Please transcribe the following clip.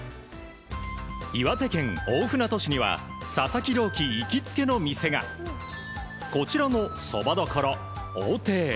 岩手県大船渡市には佐々木朗希行きつけの店がこちらのそば処櫻亭。